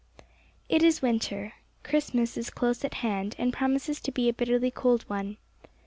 IT is winter. Christmas is close at hand, and promises to be a bitterly cold one.